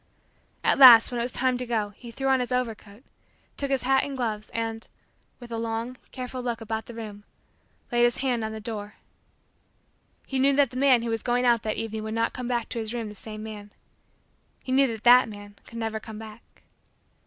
At last, when it was time to go, he threw on his overcoat, took his hat and gloves, and, with a long, careful look about the room, laid his hand on the door. He knew that the man who was going out that evening would not come hack to his room the same man. He knew that that man could never come back.